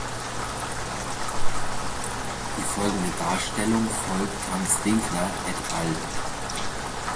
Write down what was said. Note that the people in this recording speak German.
Die folgende Darstellung folgt Hans Winkler "et al.